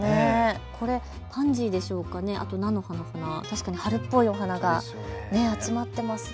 パンジーでしょうか、あと菜の花、春っぽいお花が集まっていますね。